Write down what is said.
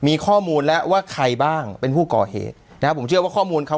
มีข้อมูลแล้วว่าใครบ้างเป็นผู้ก่อเหตุนะครับผมเชื่อว่าข้อมูลเขา